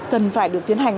cần phải được tiến hành